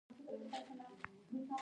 د زیرې ګل د څه لپاره وکاروم؟